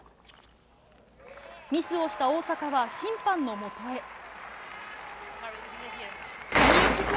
ミスをした大坂は審判のもとへ。